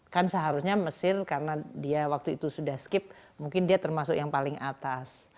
kan seharusnya mesir karena dia waktu itu sudah skip mungkin dia termasuk yang paling atas